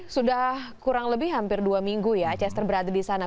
sudah kurang lebih hampir dua minggu ya chester berada di sana